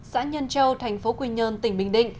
xã nhân châu thành phố quy nhơn tỉnh bình định